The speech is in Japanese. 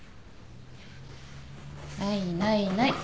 ないないない。